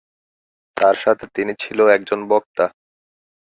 তার সাথে তিনি ছিলো একজন বক্তা।